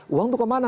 uang itu kemana